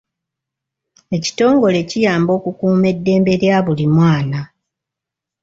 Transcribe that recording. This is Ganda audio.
Ekitongole kiyamba okukuuma eddembe lya buli mwana.